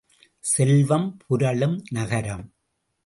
செல்வம் புரளும் நகரம்.